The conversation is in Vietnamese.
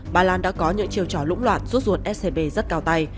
bà lan đã có những chiêu trò lũng loạn rút ruột scb rất cao tay